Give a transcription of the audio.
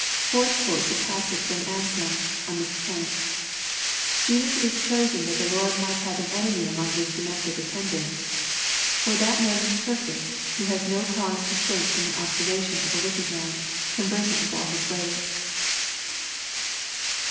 Ford quotes a passage from Anselm, on this point: " Judas is chosen that the Lord might have an enemy among his domestic attendants, for that man is perfect, who has no cause to shrink fix)m the observation of a wicked man, conversant with all his ways."